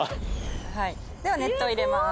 はいでは熱湯入れます。